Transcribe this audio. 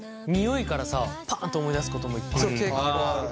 匂いからさパッと思い出すこともいっぱいあるよね。